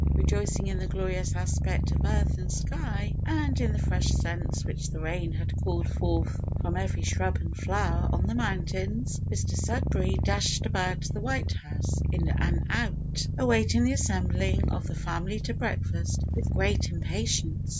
Rejoicing in the glorious aspect of earth and sky, and in the fresh scents which the rain had called forth from every shrub and flower on the mountains, Mr Sudberry dashed about the White House in and out awaiting the assembling of the family to breakfast with great impatience.